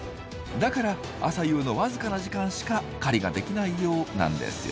だから朝夕の僅かな時間しか狩りができないようなんですよ。